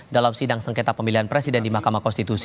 dalam sidang sengketa pemilihan presiden di mk